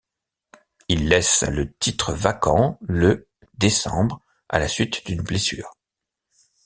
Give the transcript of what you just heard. Il laisse le titre vacant le décembre à la suite d'une blessure.